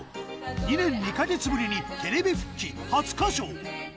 ２年２か月ぶりにテレビ復帰、初歌唱。